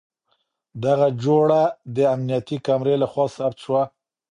دغه جوړه د امنيتي کمرې له خوا ثبت شوه.